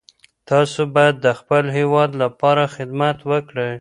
تاسو باید د خپل هیواد لپاره خدمت وکړئ.